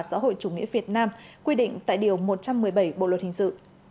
xã hội chủ nghĩa việt nam quy định tại điều một trăm một mươi bảy bộ luật hình sự